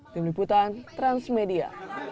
tim liputan transmedia